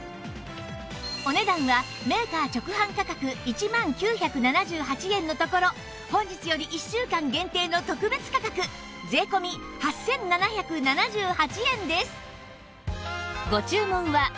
お値段はメーカー直販価格１万９７８円のところ本日より１週間限定の特別価格税込８７７８円です